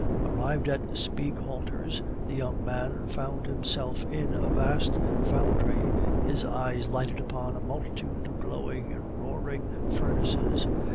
Arrived at Spieghalter's, the young man found himself in a vast foundry; his eyes lighted upon a multitude of glowing and roaring furnaces.